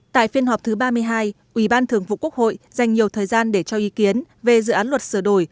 tại phiên họp thứ ba mươi hai ủy ban thường vụ quốc hội dành nhiều thời gian để cho ý kiến về dự án luật sửa đổi